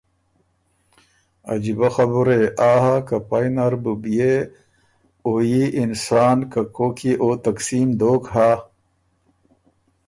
عجیبۀ خبُره يې آ هۀ که پئ نر بُو بيې او يي انسان که کوک يې او تقسیم دوک هۀ